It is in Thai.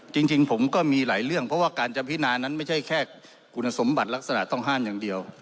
จริงผมก็มีหลายเรื่องเพราะว่าการจะพินานั้นไม่ใช่แค่คุณสมบัติลักษณะต้องห้ามอย่างเดียว